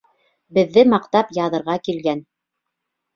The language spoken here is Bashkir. Беҙҙе маҡтап яҙырға килгән.